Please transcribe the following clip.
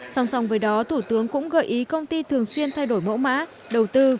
song song với đó thủ tướng cũng gợi ý công ty thường xuyên thay đổi mẫu mã đầu tư